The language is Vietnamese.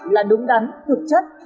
là đúng đắn thực chất